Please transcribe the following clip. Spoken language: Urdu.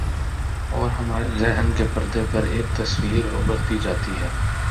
اورہمارے ذہن کے پردے پر ایک تصویر ابھرتی جاتی ہے۔